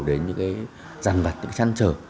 đến những cái dàn vật những cái chăn trở